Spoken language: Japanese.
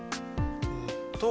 えっと